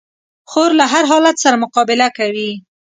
خور له هر حالت سره مقابله کوي.